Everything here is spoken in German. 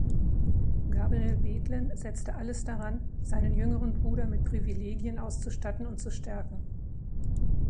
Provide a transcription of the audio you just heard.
Gabriel Bethlen setzte alles daran, seinen jüngeren Bruder mit Privilegien auszustatten und zu stärken.